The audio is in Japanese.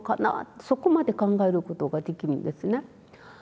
そこまで考えることができるんですね。